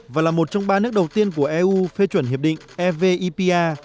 và là một trong ba nước đầu tiên của eu phê chuẩn hiệp định evipa